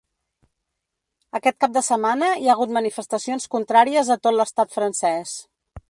Aquest cap de setmana hi ha hagut manifestacions contràries a tot l’estat francès.